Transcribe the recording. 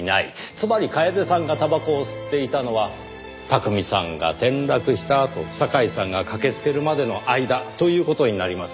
つまり楓さんがたばこを吸っていたのは巧さんが転落したあと堺さんが駆けつけるまでの間という事になります。